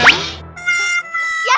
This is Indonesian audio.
loh boceng apa ya